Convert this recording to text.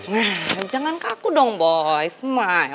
nah jangan kaku dong boy smile